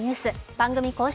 番組公式